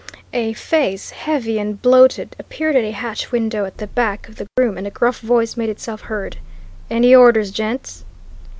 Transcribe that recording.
A face, heavy and bloated, appeared at a hatch window at the back of the room, and a gruff voice made itself heard. "Any orders, gents?"